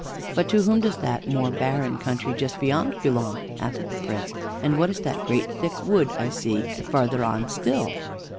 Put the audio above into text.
"But to whom does that more barren country just beyond belong?" asked the Prince. "And what is that great thick wood I see farther on still?"